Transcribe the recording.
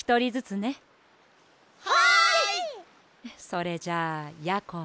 それじゃあやころ。